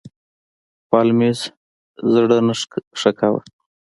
پالمر زړه نه ښه کاوه.